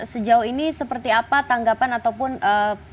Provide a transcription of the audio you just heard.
sejauh ini seperti apa tanggapan ataupun eee